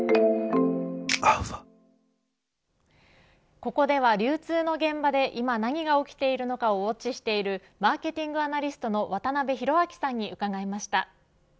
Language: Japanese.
ここでは流通の現場で今、何が起きているのかをウオッチしているマーケティングアナリストの渡辺広明さんに伺いました。